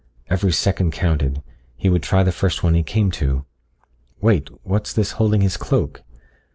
Every second counted; he would try the first one he came to. Wait what's this holding his cloak?